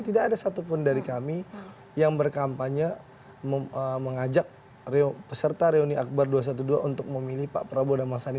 tidak ada satupun dari kami yang berkampanye mengajak peserta reuni akbar dua ratus dua belas untuk memilih pak prabowo dan mas andi